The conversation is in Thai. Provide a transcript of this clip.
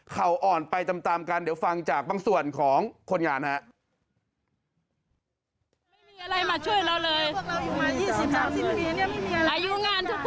เขาอ่อนไปตามกันเดี๋ยวฟังจากบางส่วนของคนงานฮะ